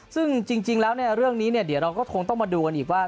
ซึ่งจริงแล้วเรื่องนี้เดี๋ยวเราก็คงต้องมาดูกันอีกว่า